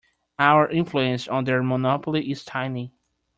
Our influence on their monopoly is tiny.